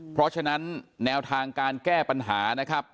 เพราะฉะนั้นแนวทางการแก้ปัญหา